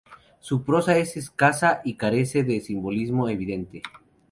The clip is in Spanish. Su prosa es escasa y carece de un simbolismo evidente.